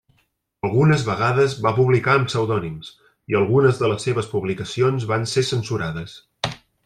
Algunes vegades va publicar amb pseudònims, i algunes de les seves publicacions van ser censurades.